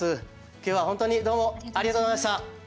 今日は本当にどうもありがとうございました。